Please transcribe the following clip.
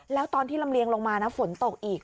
แล้วตอนที่ลำเลียงลงมานะฝนตกอีก